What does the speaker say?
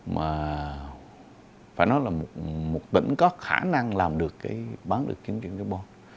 mà phải nói là một tỉnh có khả năng làm được bán được tính trị carbon